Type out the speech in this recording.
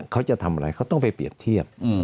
เขาจะทำอะไรเขาต้องไปเปรียบเทียบ